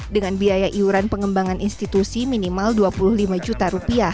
dengan biaya iuran pengembangan institusi minimal rp dua puluh lima juta